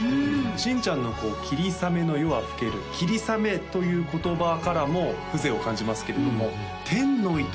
新ちゃんのこう「霧雨の夜は更ける」「霧雨」という言葉からも風情を感じますけれども「天の糸」